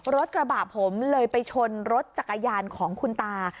กระบะผมเลยไปชนรถจักรยานของคุณตา